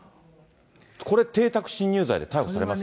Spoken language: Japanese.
これ、邸宅侵入罪で逮捕されます